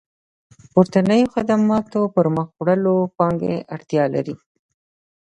پورتنيو خدماتو پرمخ وړلو پانګې اړتيا لري.